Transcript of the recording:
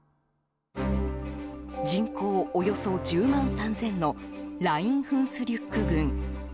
人口およそ１０万３０００のライン・フンスリュック郡。